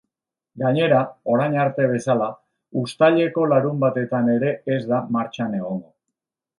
Gainera, orain arte bezala, uztaileko larunbatetan ere ez da martxan egongo.